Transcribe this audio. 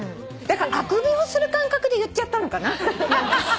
だからあくびをする感覚で言っちゃったのかな？